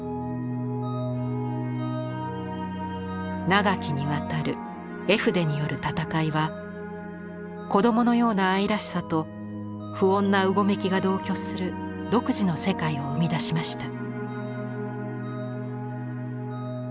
長きにわたる絵筆による戦いは子供のような愛らしさと不穏なうごめきが同居する独自の世界を生み出しました。